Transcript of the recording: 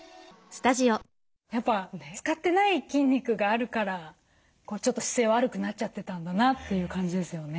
やっぱ使ってない筋肉があるからちょっと姿勢悪くなっちゃってたんだなという感じですよね。